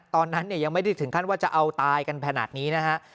ตอนนั้นเนี่ยยังไม่ได้ถึงขั้นว่าจะเอาตายกันขนาดนี้นะฮะ